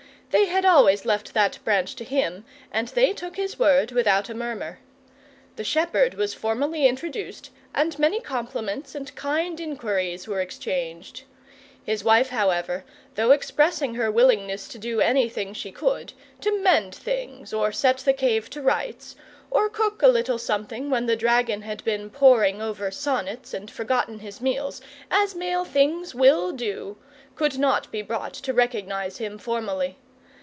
They had always left that branch to him, and they took his word without a murmur. The shepherd was formally introduced and many compliments and kind inquiries were exchanged. His wife, however, though expressing her willingness to do anything she could to mend things, or set the cave to rights, or cook a little something when the dragon had been poring over sonnets and forgotten his meals, as male things WILL do, could not be brought to recognize him formally.